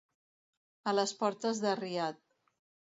A les portes de Riad.